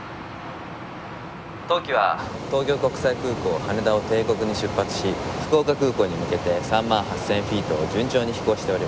当機は東京国際空港羽田を定刻に出発し福岡空港に向けて３万８０００フィートを順調に飛行しております。